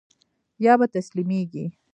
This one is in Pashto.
يا به تسليمېږي.